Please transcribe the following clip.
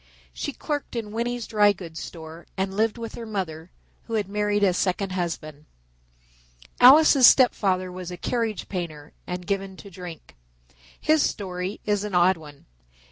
She clerked in Winney's Dry Goods Store and lived with her mother, who had married a second husband. Alice's step father was a carriage painter, and given to drink. His story is an odd one.